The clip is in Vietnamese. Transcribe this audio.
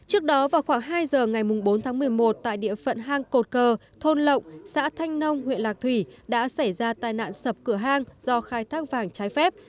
trước đó vào khoảng hai giờ ngày bốn tháng một mươi một tại địa phận hang cột cờ thôn lộng xã thanh nông huyện lạc thủy đã xảy ra tai nạn sập cửa hang do khai thác vàng trái phép